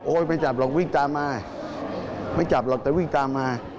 ไม่จับหรอกวิ่งตามมาไม่จับหรอกแต่วิ่งตามมา